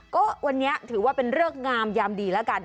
ก็วันนี้ถือว่าเป็นเริกงามยามดีแล้วกัน